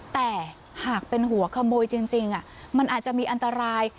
แต่หากเป็นหัวขโมยจริงมันอาจจะมีอันตราย